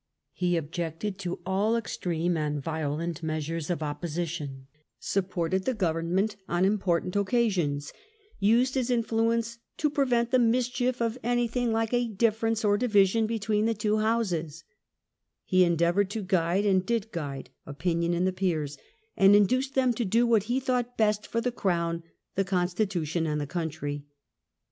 He objected to all extreme and violent measures of opposition ; supported the Government on important occasions, used his influence " to prevent the mischief of anything like a difference or division between the two Houses ": he endeavoured to guide, and did guide, opinion in the Peers, and induced them to do what he thought best for the Crown, the Constitution, and the country.